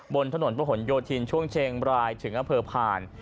บนถนนประหลโยธินช่วงเชงรายถึงอเผลอภาน